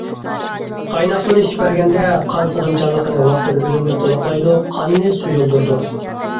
قايناق سۇنى ئىچىپ بەرگەندە، قان سىغىمچانلىقىنى ۋاقتىدا ئۈنۈملۈك تولۇقلايدۇ، قاننى سۇيۇلدۇرىدۇ.